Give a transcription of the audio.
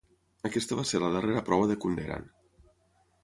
Aquesta va ser la darrera prova de Kunderan.